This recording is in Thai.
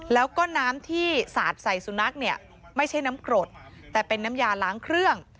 แล้วก็น้ำที่สาดใส่สุนัขเนี่ยไม่ใช่น้ำกรดแต่เป็นน้ำยาล้างเครื่อง